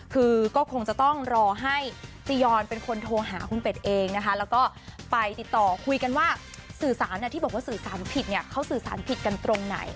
คือก็คงจะต้องรอให้จียอนเป็นคนโทรหาคุณเป็ดเองนะคะแล้วก็ไปติดต่อคุยกันว่าสื่อสารที่บอกว่าสื่อสารผิดเนี่ยเขาสื่อสารผิดกันตรงไหน